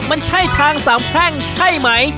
มันใช่ทางสามแพร่งใช่ไหม